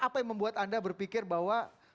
apa yang membuat anda berpikir bahwa